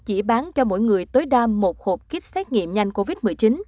chỉ bán cho mỗi người tối đa một hộp kít xét nghiệm nhanh covid một mươi chín